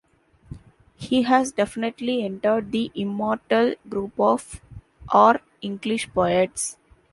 He has definitely entered the immortal group of our English poets.